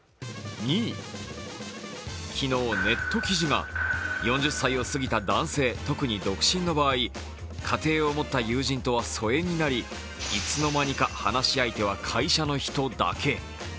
昨日、ネット記事が４０歳を過ぎた男性、特に独身の場合、家庭を持った友人とは疎遠となりいつの間にか話し相手は会社の人だけ。